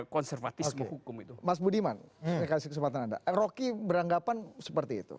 konservatisme hukum itu mas budiman kasih kesempatan ada roky beranggapan seperti itu